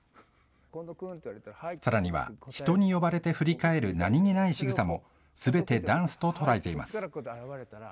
さらには、人に呼ばれて振り返る何気ないしぐさも、すべてダンスと捉えています。